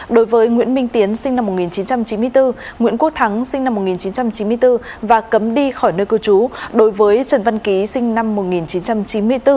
đối với nguyễn minh tiến sinh năm một nghìn chín trăm chín mươi bốn nguyễn quốc thắng sinh năm một nghìn chín trăm chín mươi bốn và cấm đi khỏi nơi cư trú đối với trần văn ký sinh năm một nghìn chín trăm chín mươi bốn